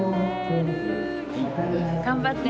頑張って。